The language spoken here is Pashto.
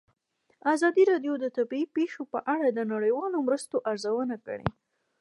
ازادي راډیو د طبیعي پېښې په اړه د نړیوالو مرستو ارزونه کړې.